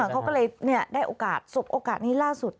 เขาก็เลยได้โอกาสสบโอกาสนี้ล่าสุด